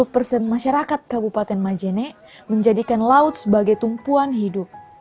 lima puluh persen masyarakat kabupaten majene menjadikan laut sebagai tumpuan hidup